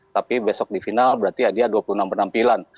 tapi besok di final berarti dia dua puluh enam penampilan